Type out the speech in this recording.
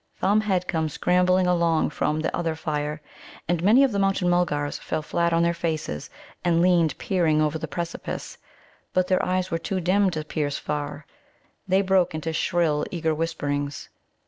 Thumb had come scrambling along from the other fire, and many of the Mountain mulgars fell flat on their faces, and leaned peering over the precipice. But their eyes were too dim to pierce far. They broke into shrill, eager whisperings.